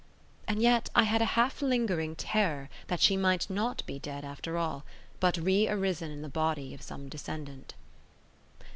And yet I had a half lingering terror that she might not be dead after all, but re arisen in the body of some descendant.